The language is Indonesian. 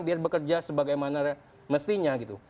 biar bekerja sebagaimana mestinya gitu